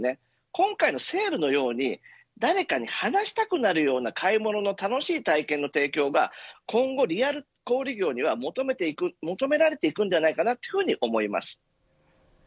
今回のセールのように誰かに話したくなるような買い物の楽しい体験の提供が今後、リアル小売業には求められていくのではないかと思います。